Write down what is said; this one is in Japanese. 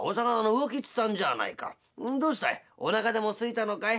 どうしたいおなかでもすいたのかい？